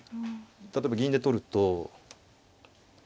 例えば銀で取ると。